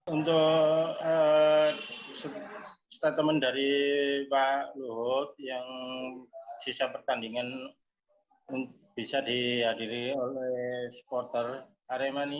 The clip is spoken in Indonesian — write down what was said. untuk teman teman dari pak lohot yang sisa pertandingan bisa dihadiri oleh supporter aremania